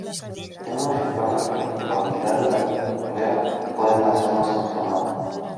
Él nos recuerda que la culpabilidad y la cólera pueden hacernos enfermar.